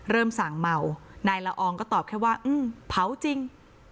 สั่งเมานายละอองก็ตอบแค่ว่าเผาจริง